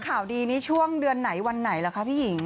ข่าวดีนี้ช่วงเดือนไหนวันไหนล่ะคะพี่หญิง